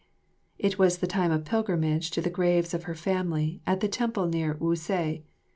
It was the time of pilgrimage to the graves of her family at the temple near Wu seh.